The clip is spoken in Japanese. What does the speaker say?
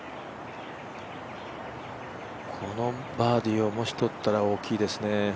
このバーディーをもしとったら大きいですね。